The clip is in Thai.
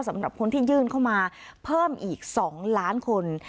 สำหรับคนที่ยื่นเข้ามาเพิ่มอีก๒ล้านคน